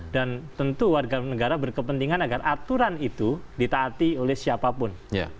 dan tentu warga negara berkepentingan agar aturan itu ditaati oleh siapapun